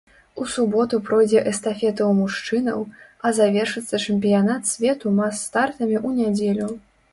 У суботу пройдзе эстафета ў мужчынаў, а завершыцца чэмпіянат свету мас-стартамі ў нядзелю.